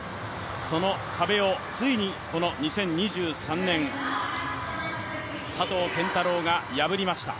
その壁をついに、この２０２３年、佐藤拳太郎が破りました。